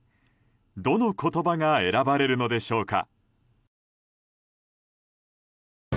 どの言葉が選ばれるのでしょうか。